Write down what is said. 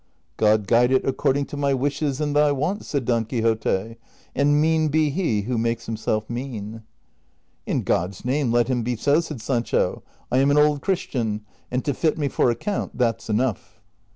God guide it according to my Avishes and thy wants," said Don Quixote, " and mean be he Avho makes himself mean." ^" In God's name let him be so,'' said Sancho ;" I am an old Christian, and to fit me for a count that 's enough."